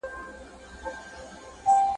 د ټولنې ملاتړ د سياست بريا نه تضمينوي.